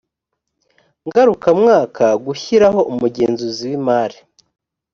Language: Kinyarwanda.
ngarukamwaka gushyiraho umugenzuzi w imari